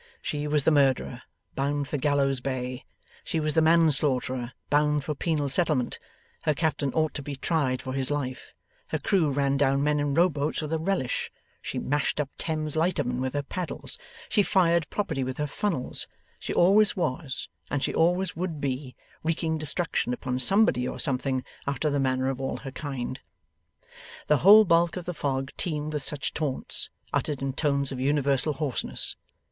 She was the Murderer, bound for Gallows Bay; she was the Manslaughterer, bound for Penal Settlement; her captain ought to be tried for his life; her crew ran down men in row boats with a relish; she mashed up Thames lightermen with her paddles; she fired property with her funnels; she always was, and she always would be, wreaking destruction upon somebody or something, after the manner of all her kind. The whole bulk of the fog teemed with such taunts, uttered in tones of universal hoarseness.